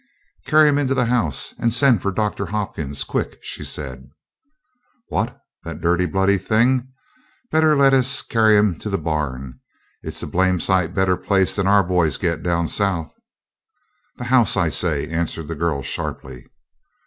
"Carry him into the house, and send for Doctor Hopkins, quick," she said. "What! that dirty, bloody thing! Better let us carry him to the barn. It's a blame sight better place than our boys get down South." "The house, I say," answered the girl, sharply.